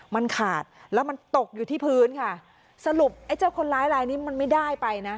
มันขาดแล้วมันตกอยู่ที่พื้นค่ะสรุปไอ้เจ้าคนร้ายลายนี้มันไม่ได้ไปนะ